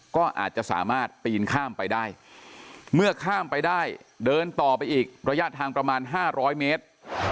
ก็อาจจะสามารถปีนข้ามไปได้เมื่อข้ามไปได้เดินต่อไปอีกระยะทางประมาณ๕๐๐เมตร